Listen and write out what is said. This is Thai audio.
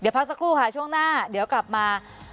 พักสักครู่ค่ะช่วงหน้าเดี๋ยวกลับมา